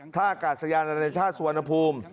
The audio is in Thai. ท่ากาศยาลในชาติสวนภูมิ